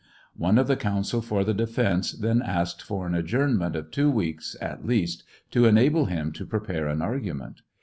One of the counsel for the defence then asked for an adjournment of two weeks at least to enable him to prepare an argument.